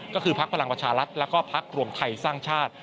ก็คือพลังภาชาลัทธ์และก็พักรวมไทยสร้างชาติ